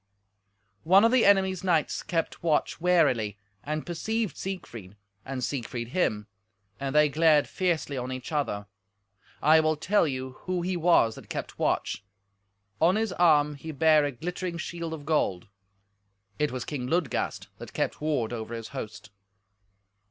One of the enemy's knights kept watch warily, and perceived Siegfried, and Siegfried him, and they glared fiercely on each other. I will tell you who he was that kept watch. On his arm he bare a glittering shield of gold. It was King Ludgast that kept ward over his host.